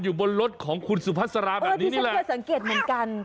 อยู่บนรถของคุณสุพัสราแบบนี้แหละที่ฉันเคยสังเกตเหมือนกัน